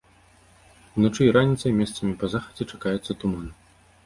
Уначы і раніцай месцамі па захадзе чакаецца туман.